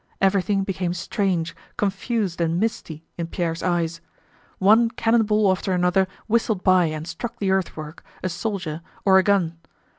Everything became strange, confused, and misty in Pierre's eyes. One cannon ball after another whistled by and struck the earthwork, a soldier, or a gun.